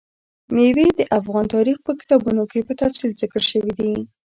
مېوې د افغان تاریخ په کتابونو کې په تفصیل ذکر شوي دي.